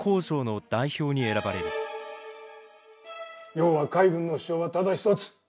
要は海軍の主張はただ一つ。